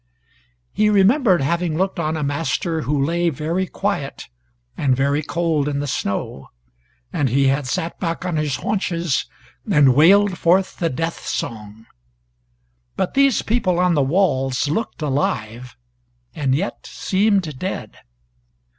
He remembered having looked on a master who lay very quiet and very cold in the snow, and he had sat back on his haunches and wailed forth the death song; but these people on the walls looked alive, and yet seemed dead.